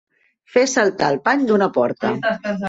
Fer saltar el pany d'una porta.